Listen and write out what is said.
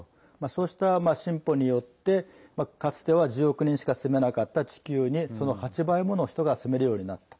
そうした進歩によってかつては１０億人しか住めなかった地球にその８倍もの人が住めるようになった。